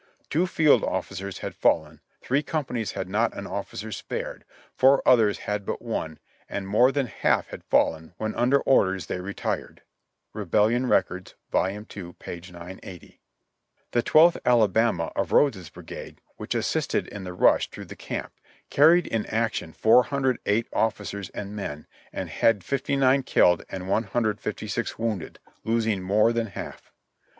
Two field officers had fallen, three companies had not an officer spared, four others had but one, and more than half had fallen, when under orders they retired." (Rebellion Records. Vol. II, p. 980.) The Twelfth Alabama, of Rodes's brigade, which assisted in the rush through the camp, carried in action 408 officers and men, and had 59 killed and 156 wounded, losing more than half.